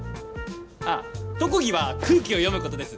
あっ特技は空気を読むことです。